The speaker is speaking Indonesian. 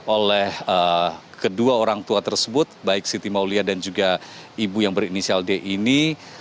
oleh kedua orang tua tersebut baik siti maulia dan juga ibu yang berinisial d ini